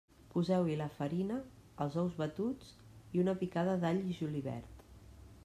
Poseu-hi la farina, els ous batuts i una picada d'all i julivert.